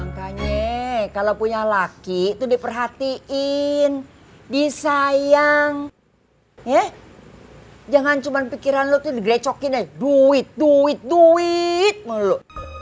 makanya kalo punya laki itu diperhatiin disayang ya jangan cuma pikiran lo itu digrecokin aja duit duit duiiiiit mulu